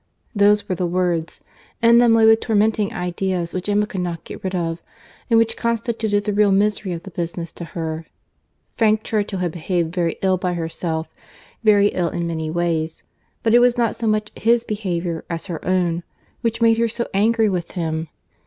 —Those were the words; in them lay the tormenting ideas which Emma could not get rid of, and which constituted the real misery of the business to her. Frank Churchill had behaved very ill by herself—very ill in many ways,—but it was not so much his behaviour as her own, which made her so angry with him.